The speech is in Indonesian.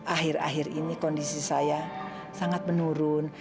akhir akhir ini kondisi saya sangat menurun